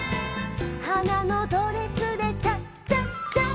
「はなのドレスでチャチャチャ」